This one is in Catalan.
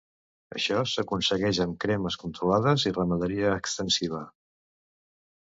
Això s'aconsegueix amb cremes controlades i ramaderia extensiva.